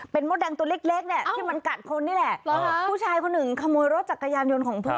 มดแดงตัวเล็กเล็กเนี่ยที่มันกัดคนนี่แหละผู้ชายคนหนึ่งขโมยรถจักรยานยนต์ของเพื่อน